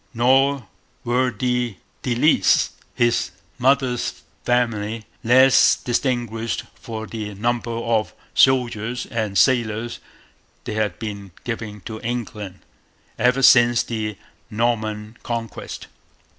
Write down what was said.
Nor were the De Lisles, his mother's family, less distinguished for the number of soldiers and sailors they had been giving to England ever since the Norman Conquest.